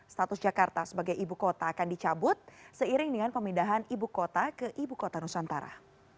status jakarta sebagai ibu kota akan dicabut seiring dengan pemindahan ibu kota ke ibu kota nusantara